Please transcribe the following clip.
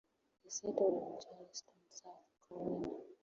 He settled in Charleston, South Carolina.